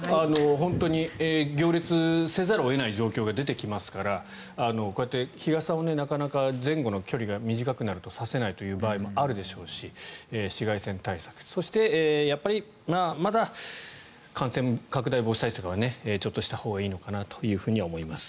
本当に行列せざるを得ない状況が出てきますからこうやって日傘をなかなか前後の距離が短くなると差せないという場合もあるでしょうし、紫外線対策そして、やっぱりまだ感染拡大防止対策はちょっとしたほうがいいのかなと思います。